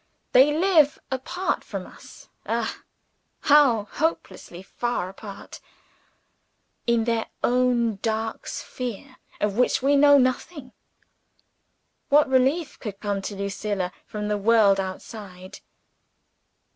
They live apart from us ah, how hopelessly far apart! in their own dark sphere, of which we know nothing. What relief could come to Lucilla from the world outside?